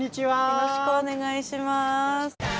よろしくお願いします。